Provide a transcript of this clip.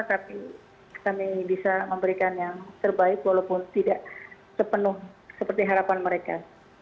tapi kami bisa memberikan yang terbaik walaupun tidak sepenuh seperti harapan mereka